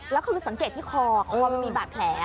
แล้วเขาสังเกตที่คอคอมีบาดแผล